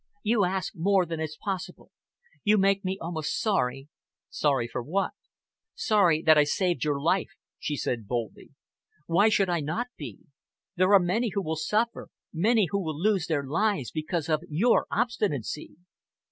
"You ask more than is possible.. You make me almost sorry " "Sorry for what?" "Sorry that I saved your life," she said boldly. "Why should I not be? There are many who will suffer, many who will lose their lives because of your obstinacy."